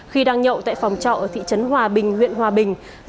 khi đang nhậu tại phòng trọ ở thị trấn hòa bình huyện hòa bình